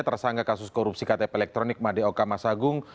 tersangka kasus korupsi ktp elektronik madeo kamasagung